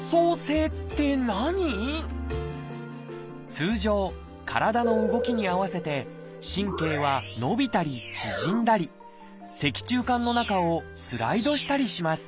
通常体の動きに合わせて神経は伸びたり縮んだり脊柱管の中をスライドしたりします。